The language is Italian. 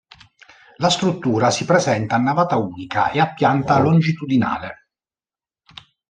La struttura si presenta a navata unica e a pianta longitudinale.